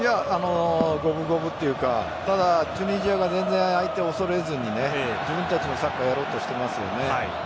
五分五分というかただ、チュニジアが全然相手を恐れずに自分たちのサッカーをやろうとしていますよね。